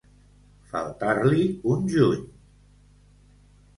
Faltar-li un juny.